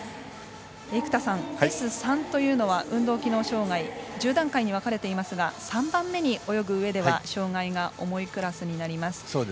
生田さん、Ｓ３というのは運動機能障がい１０段階に分かれていますが泳ぐうえでは３番目に障がいが重いクラスになります。